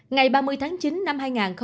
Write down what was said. ngày ba mươi tháng chín năm hai nghìn hai mươi ba